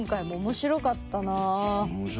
面白かったね。